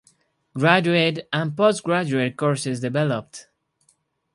Graduate and post-graduate courses developed.